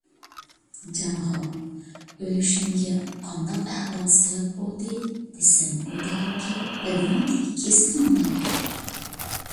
جانغا: «ئۆلۈشۈمگە قانداق ئەھۋال سەۋەب بولدى؟» دېسەم، ئۇ دەيدۇكى: «بەدىنىڭدىكى كېسىلىڭنىڭ ئېغىرلىقى».